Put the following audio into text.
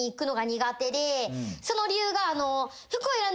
その理由が服を。